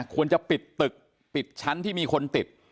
ควรจะปิดตึกปิดชั้นที่มีคนติด